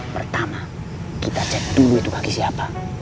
pertama kita cek dulu itu bagi siapa